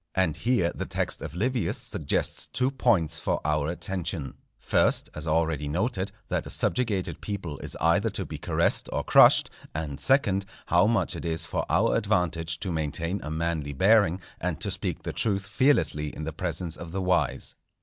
And here the text of Livius suggests two points for our attention: first, as already noted, that a subjugated people is either to be caressed or crushed; and second, how much it is for our advantage to maintain a manly bearing, and to speak the truth fearlessly in the presence of the wise.